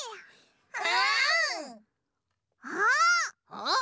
あっ！